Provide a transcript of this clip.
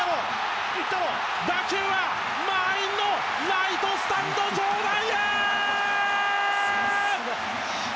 打球は満員のライトスタンド上段へ！